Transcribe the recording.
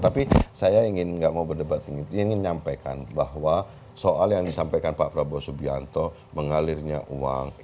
tapi saya ingin nggak mau berdebat ingin menyampaikan bahwa soal yang disampaikan pak prabowo subianto mengalirnya uang